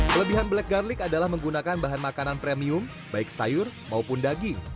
kelebihan black garlic adalah menggunakan bahan makanan premium baik sayur maupun daging